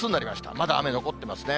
まだ雨、残ってますね。